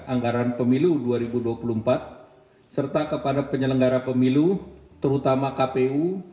anggaran pemilu dua ribu dua puluh empat serta kepada penyelenggara pemilu terutama kpu